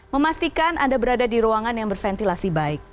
memastikan anda berada di ruangan yang berventilasi baik